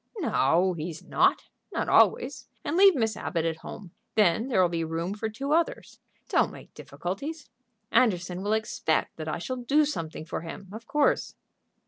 "No, he's not; not always. And leave Miss Abbott at home. Then there'll be room for two others. Don't make difficulties. Anderson will expect that I shall do something for him, of course."